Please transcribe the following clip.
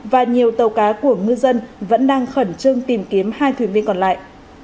và nhiều tàu cá của ngư dân vẫn đang khẩn trương tìm kiếm hai thuyền viên còn lại